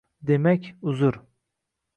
Demak. Uzr.